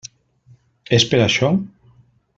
És per això?